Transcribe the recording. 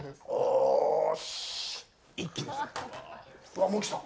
わっ、もう来た。